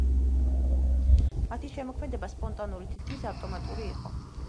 მათი შემოქმედება სპონტანური, თითქმის ავტომატური იყო.